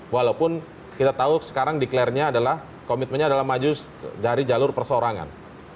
walaupun kita tahu sekarang deklarnya adalah komitmennya adalah maju dari jalur persoarangan